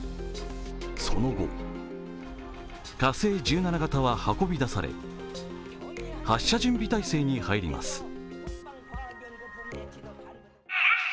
その後、火星１７型は運び出され発射準備態勢に入ります。